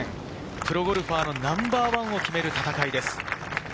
プロゴルファーのナンバーワンを決める戦いです。